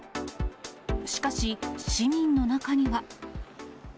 しかし、市民の中には。